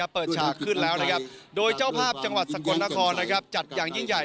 เปิดฉากขึ้นแล้วนะครับโดยเจ้าภาพจังหวัดสกลนครจัดอย่างยิ่งใหญ่